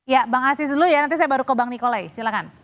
ya bang aziz dulu ya nanti saya baru ke bang nikolai silakan